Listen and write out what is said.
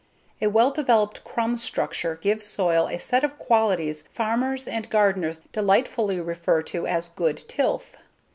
A well developed crumb structure gives soil a set of qualities farmers and gardeners delightfully refer to as "good tilth."